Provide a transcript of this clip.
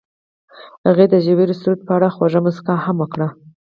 هغې د ژور سرود په اړه خوږه موسکا هم وکړه.